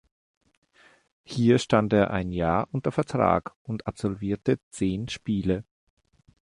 Hier stand er ein Jahr unter Vertrag und absolvierte zehn Spiele.